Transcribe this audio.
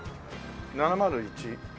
７０１。